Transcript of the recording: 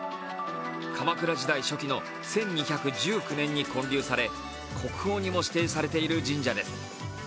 鎌倉時代の初期の１２１９年に建立され国宝にも指定されている神社です。